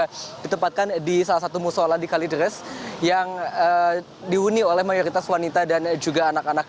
mereka ditempatkan di salah satu musola di kalidres yang dihuni oleh mayoritas wanita dan juga anak anak